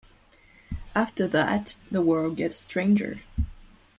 After that, the world gets stranger.